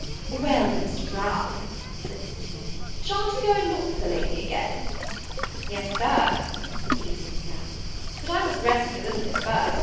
"Well, but, Mr. Brown," said Mr. Smith, "sha'n't you go and look for the lady again?" "Yes, Sir," said he, sitting down; "but I must rest me a little bit first.